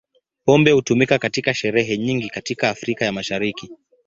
Pombe hutumika katika sherehe nyingi katika Afrika ya Mashariki.